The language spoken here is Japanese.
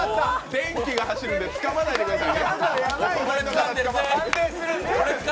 電気が走るんでつかまないでくださいね。